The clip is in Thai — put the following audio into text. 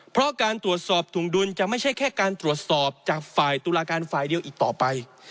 เพราะการตรวจสอบถุงดุลจะไม่ใช่แค่การตรวจสอบจากฝ่ายตุลาการฝ่ายเดียวอีกต่อไป